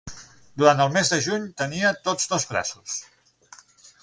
Durant el mes de juny tenia tots dos braços.